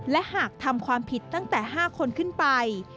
และหากทำความผิดตั้งแต่๕คนขึ้นไป